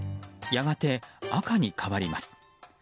やがて赤に変わります。